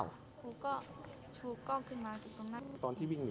คุก็กินมาก็ลงไปตรงนั้น